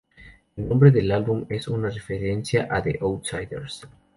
El nombre del álbum es una referencia a "The Outsiders".